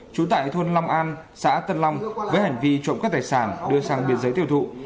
trú tại thôn long an xã tân long với hành vi trộm cắp tài sản đưa sang biên giới tiêu thụ